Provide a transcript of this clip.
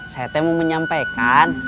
saya teh mau menyampaikan